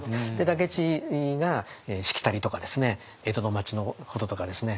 武市がしきたりとかですね江戸の町のこととかですね